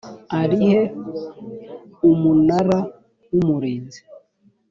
ari he umunara w umurinzi